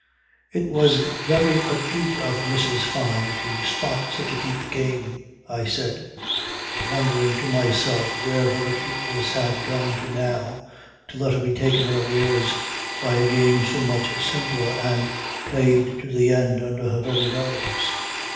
"It was very acute of Mrs. Fyne to spot such a deep game," I said, wondering to myself where her acuteness had gone to now, to let her be taken unawares by a game so much simpler and played to the end under her very nose.